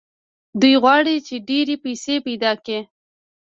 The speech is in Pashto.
دوی غواړي چې ډېرې پيسې پيدا کړي.